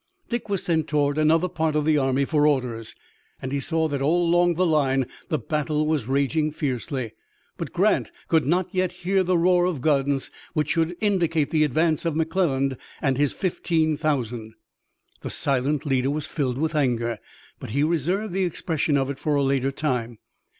Dick was sent toward another part of the army for orders, and he saw that all along the hill the battle was raging fiercely. But Grant could not yet hear the roar of guns which should indicate the advance of McClernand and his fifteen thousand. The silent leader was filled with anger, but he reserved the expression of it for a later time.